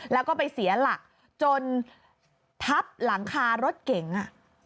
แล้วก็ไปเสียหลักจนทับหลังคารถเก๋งอ่ะ